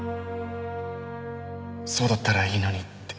そうだったらいいのにって。